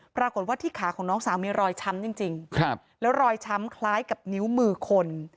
ปรากฏว่าที่ขาของน้องสาวมีรอยช้ำจริงแล้วรอยช้ำคล้ายกับนิ้วมือคน